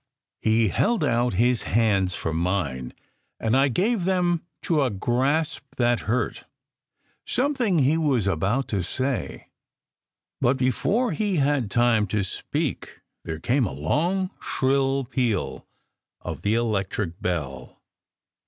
He held out his hands for mine, and I gave them to a grasp that hurt. Something he was about to say; but before he had time to speak there came a long shrill peal of the electric bell.